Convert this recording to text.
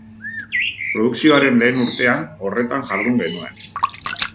Produkzioaren lehen urtean, horretan jardun genuen.